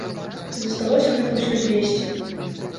Засталося гэта ўсё звесці.